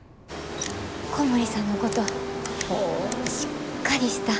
小森さんのことしっかりしたええ